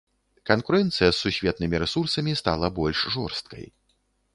Канкурэнцыя з сусветнымі рэсурсамі стала больш жорсткай.